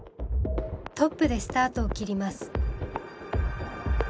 トップでスタートを切ります。